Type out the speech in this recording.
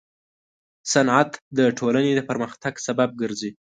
صنعت د ټولنې د پرمختګ سبب ګرځي.